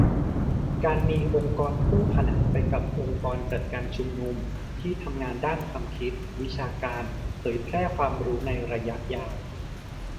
การมีองค์กรคู่ขนานไปกับองค์กรจัดการชุนนุม ที่ทำงานด้านความคิด วิชาการ เผยแพร่ความรู้ในระยะยาว